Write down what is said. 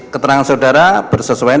keterangan saudara bersesuaian